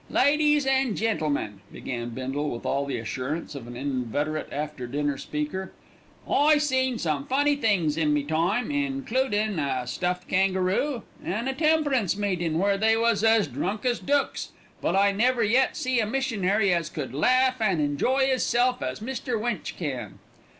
"Ladies an' gentlemen," began Bindle with all the assurance of an inveterate after dinner speaker, "I seen some funny things in me time, includin' a stuffed kangaroo, an' a temperance meetin' where they was as drunk as dooks; but I never yet see a missionary as could laugh and enjoy 'isself as Mr. Winch can."